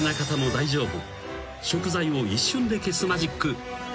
大丈夫？